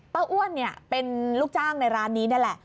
เป้าอ้วนเนี่ยเป็นลูกจ้างในร้านนี้นั่นแหละ